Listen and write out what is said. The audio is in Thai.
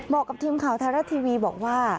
บอกกับทีมข่าวไทยรัฐทีวีบอกว่า